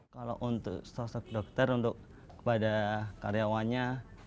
kalau untuk sosok dokter untuk kepada karyawannya